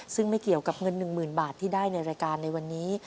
ซึ่งไม่เกี่ยวกับเงิน๑๐๐๐บาทที่ได้ในรายการในวันนี้